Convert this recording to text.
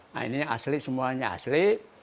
nah ini asli semuanya asli